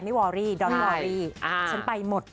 วอรี่ดอนวอรี่ฉันไปหมด